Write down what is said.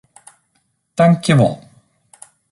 Tankjewol.